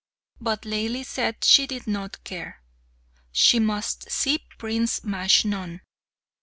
But Laili said she did not care; she must see Prince Majnun.